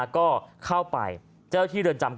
ก็เข้าไปเจ้าที่เรือนจำ